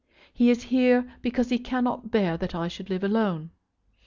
He is here because he cannot bear that I should live alone.